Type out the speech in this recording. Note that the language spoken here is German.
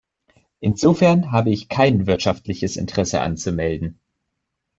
Insofern habe ich kein wirtschaftliches Interesse anzumelden.